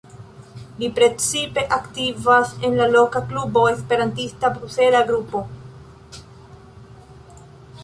Li precipe aktivas en la loka klubo Esperantista Brusela Grupo.